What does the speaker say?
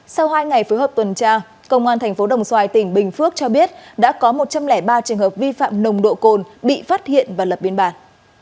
sau hai ngày phối hợp tuần tra công an tp đồng xoài tỉnh bình phước cho biết đã có một trăm linh ba trường hợp vi phạm nồng độ cồn bị phát hiện và lập biên bản